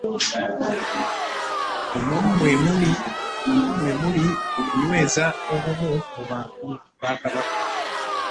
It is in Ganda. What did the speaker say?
Muno mwe muli okunyweza obumu mu bantu ba Kabaka